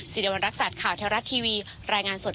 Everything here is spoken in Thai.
สิริวัณรักษัตริย์ข่าวเทวรัฐทีวีรายงานสด